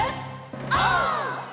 オー！